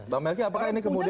bang melki apakah ini kemudian